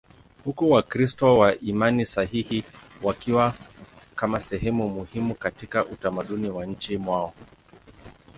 huku Wakristo wa imani sahihi wakiwa kama sehemu muhimu katika utamaduni wa nchini mwao.